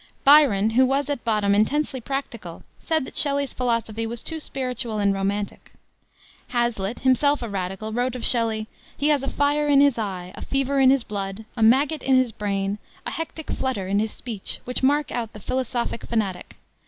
Byron, who was at bottom intensely practical, said that Shelley's philosophy was too spiritual and romantic. Hazlitt, himself a Radical, wrote of Shelley: "He has a fire in his eye, a fever in his blood, a maggot in his brain, a hectic flutter in his speech, which mark out the philosophic fanatic.